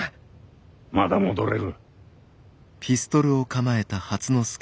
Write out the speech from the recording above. まだ戻れる。